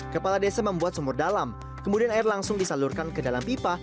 kepala desa membuat sumur dalam kemudian air langsung disalurkan ke dalam pipa